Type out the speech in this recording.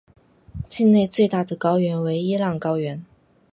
境内最大的高原为伊朗高原。